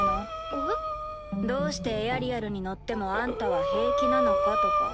えっ？どうしてエアリアルに乗ってもあんたは平気なのかとか。